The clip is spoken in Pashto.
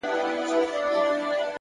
ستونزې ډېرېده اكثر”